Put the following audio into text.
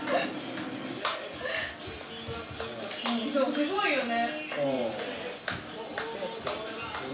すごいよね。